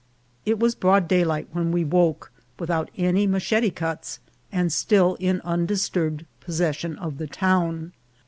IT was broad daylight when we woke, without any machete cuts, and still in undisturbed possession of the town.